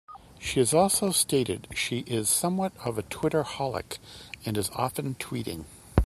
She has also stated she is somewhat of a "Twitter-holic" and is often tweeting.